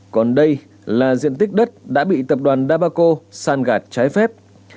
còn đây là diện tích đất đã bị tập đoàn đà bà cộ săn gạt trái phép